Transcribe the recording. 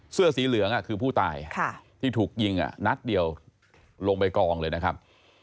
เสื้อสีเหลืองคือผู้ตายที่ถูกยิงนัดเดียวลงไปกองเลยนะครับ